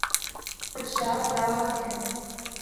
خدشات لاحق ہیں۔